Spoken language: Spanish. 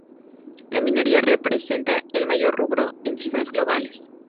La minería representa el mayor rubro en cifras globales.